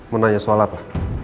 menanyakan soal apa